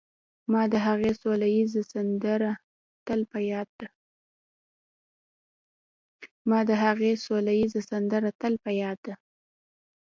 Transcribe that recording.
ما د هغې سوله ييزه سندره تل په ياد ده